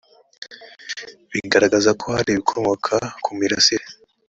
bigaragaza ko harimo ibikomoka kumirasire